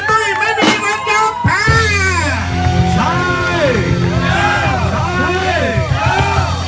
แค่ใจกว่าไม่ยอมหายแม่มัน